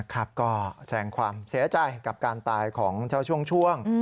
ครับก็แสงความเสียใจกับการตายของเจ้าช่วง